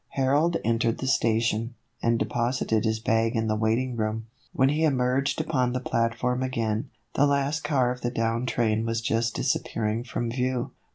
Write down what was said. Harold entered the station, and deposited his bag in the waiting room. When he emerged upon the platform again, the last car of the down train was just disappearing from view.